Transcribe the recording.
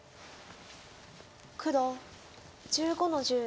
黒１５の十。